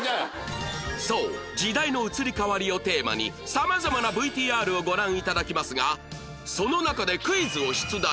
そう時代の移り変わりをテーマに様々な ＶＴＲ をご覧頂きますがその中でクイズを出題